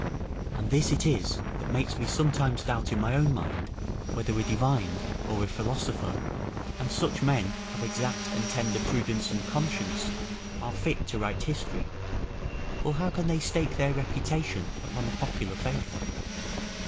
And this it is that makes me sometimes doubt in my own mind, whether a divine, or a philosopher, and such men of exact and tender prudence and conscience, are fit to write history: for how can they stake their reputation upon a popular faith?